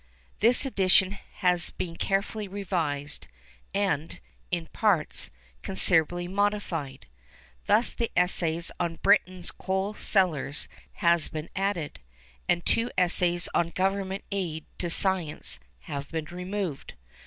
_ This edition has been carefully revised, and, in parts, considerably modified. Thus the Essay on Britain's Coal Cellars has been added, and two Essays on Government Aid to Science have been removed.